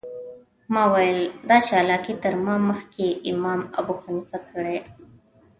ما ویل دا چالاکي تر ما مخکې امام ابوحنیفه کړې.